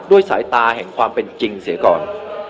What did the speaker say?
สายตาแห่งความเป็นจริงเสียก่อน